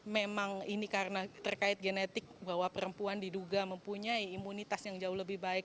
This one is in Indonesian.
memang ini karena terkait genetik bahwa perempuan diduga mempunyai imunitas yang jauh lebih baik